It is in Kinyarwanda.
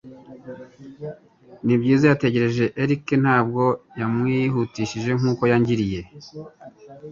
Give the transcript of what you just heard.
Nibyiza, yatekereje Eric, ntabwo yamwihutishije nkuko yangiriye.